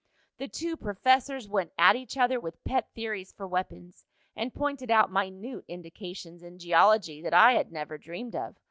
The two professors went at each other with pet theories for weapons, and pointed out minute indications in geology that I had never dreamed of.